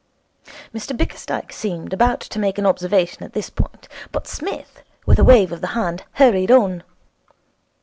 Mr Bickersdyke seemed about to make an observation at this point, but Psmith, with a wave of the hand, hurried on.